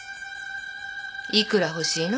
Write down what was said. いくら欲しいの？